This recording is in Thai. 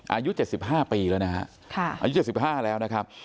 อายุ๗๕ปีแล้วนะฮะอายุ๗๕แล้วนะครับ